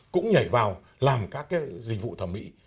cũng nhảy vào làm các dịch vụ thẩm mỹ